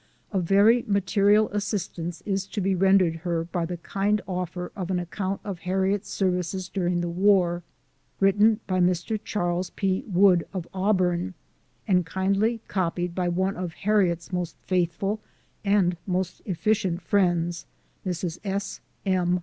A very material assistance is to be rendered her by the kind offer of an account of Harriet's services during the war, written by Mr. Charles P. Wood, of Auburn, and kindly copied by one of Harriet's most faithful and most efh'cient friends, Mrs. S. M.